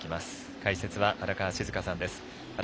解説は荒川静香さんです。